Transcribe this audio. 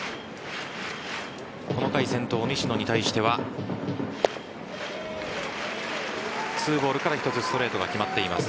この回先頭・西野に対しては２ボールから１つストレートが決まっています。